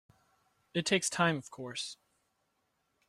It takes time of course.